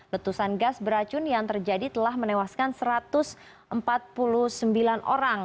letusan gas beracun yang terjadi telah menewaskan satu ratus empat puluh sembilan orang